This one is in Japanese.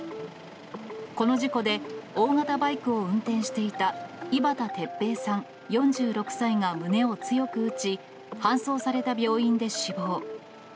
この事故で、大型バイクを運転していた井端鉄平さん４６歳が胸を強く打ち、搬送された病院で死亡。